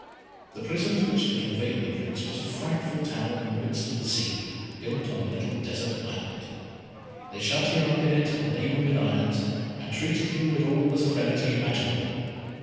The prison to which they conveyed the Prince was a frightful tower in the midst of the sea, built on a little desert island. They shut him up in it, laden with irons, and treated him with all the severity imaginable.